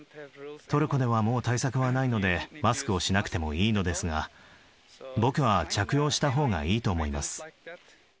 トルコではもう対策はないので、マスクをしなくてもいいのですが、僕は着用したほうがいいと思います。